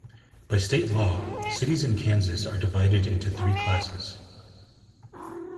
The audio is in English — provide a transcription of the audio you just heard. By State law, cities in Kansas are divided into three classes.